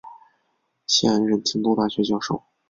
现任京都大学教授。